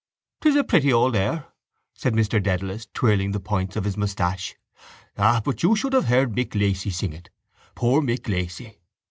—It's a pretty old air, said Mr Dedalus, twirling the points of his moustache. Ah, but you should have heard Mick Lacy sing it! Poor Mick Lacy!